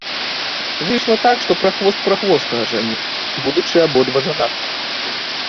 Выйшла так, што прахвост прахвоста ажаніў, будучы абодва жанатымі.